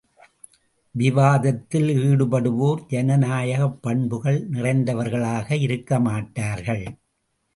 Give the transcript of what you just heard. விவாதத்தில் ஈடுபடுவோர் ஜனநாயகப் பண்புகள் நிறைந்தவர்களாக இருக்கமாட்டார்கள்.